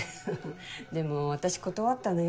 でも私断ったのよ。